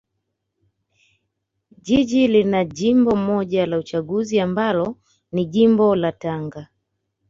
Jiji lina jimbo moja la uchaguzi ambalo ni jimbo la Tanga